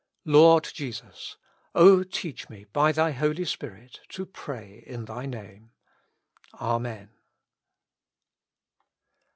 Lord Jesus ! O teach me by Thy Holy Spirit to pray in Thy Name. Amen.